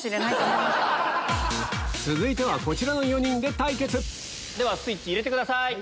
続いてはこちらの４人で対決スイッチ入れてください。